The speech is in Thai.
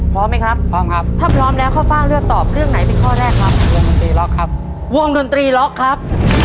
พร้อมไหมครับพร้อมครับถ้าพร้อมแล้วข้าวฟ่างเลือกตอบเรื่องไหนเป็นข้อแรกครับวงดนตรีล็อกครับวงดนตรีล็อกครับ